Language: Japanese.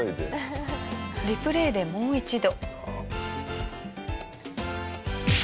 リプレイでもう一度。